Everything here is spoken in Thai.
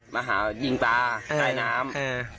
มาหายิงตาใต้น้ำ